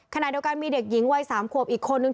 ขณะเดียวกันมีเด็กหญิงวัย๓ขวบอีกคนนึง